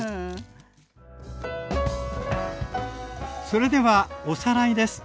それではおさらいです。